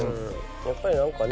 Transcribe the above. やっぱり何かね